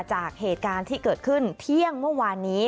จากเหตุการณ์ที่เกิดขึ้นเที่ยงเมื่อวานนี้